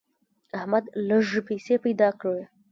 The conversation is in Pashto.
احمد لږې پیسې پیدا کړې.